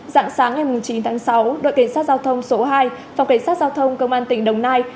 giảng sáng ngày chín tháng sáu đội kiến sát giao thông số hai và kiến sát giao thông công an tỉnh đồng nai